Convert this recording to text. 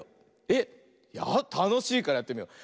えったのしいからやってみよう。